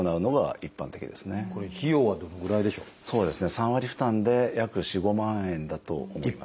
３割負担で約４５万円だと思います。